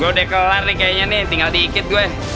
gua udah kelar nih kayaknya nih tinggal dikit gua